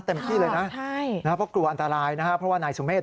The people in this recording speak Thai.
เต็มที่เลยนะใช่นะเพราะกลัวอันตรายนะครับเพราะว่านายสุเมฆ